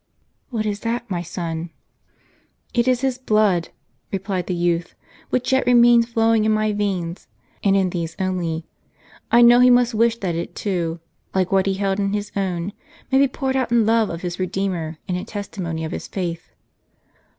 " What is that, my son ?" "It is his blood," replied the youth, "which yet remains flowing in my veins, and in these only. I know he must wish that it too, like what he held in his own, may be poured out in love of his Kedeemer, and in testimony of his faith."